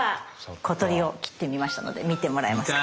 小鳥を切ってみましたので見てもらえますか？